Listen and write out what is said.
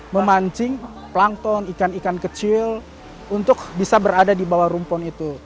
memancing plankton ikan ikan kecil untuk bisa berada di bawah rumpon itu